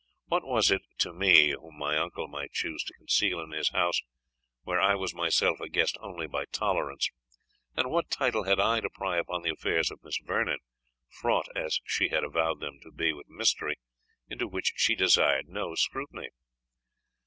What was it to me whom my uncle might choose to conceal in his house, where I was myself a guest only by tolerance? And what title had I to pry into the affairs of Miss Vernon, fraught, as she had avowed them to be, with mystery, into which she desired no scrutiny?